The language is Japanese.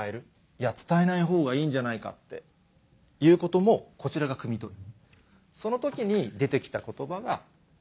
いや伝えない方がいいんじゃないかっていうこともこちらがくみとる。